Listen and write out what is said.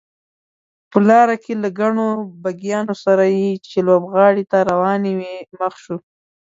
په لاره کې له ګڼو بګیانو سره چې لوبغالي ته روانې وې مخ شوو.